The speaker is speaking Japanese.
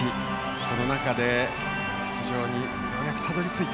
その中で出場にようやくたどり着いた。